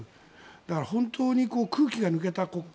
だから、本当に空気が抜けた国会。